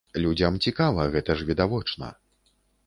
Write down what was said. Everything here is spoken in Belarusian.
Людзям цікава, гэта ж відавочна.